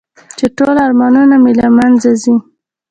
چې ټول ارمانونه مې له منځه ځي .